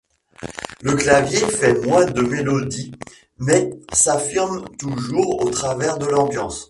Le clavier fait moins de mélodies mais s'affirme toujours au travers de l'ambiance.